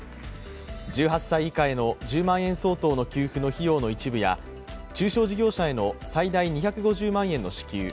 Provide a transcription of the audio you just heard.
１８歳以下への１０万円相当の給付の費用の一部や中小企業者への最大２５０万円の支給